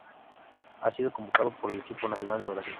Ha sido convocado por el equipo nacional de Brasil.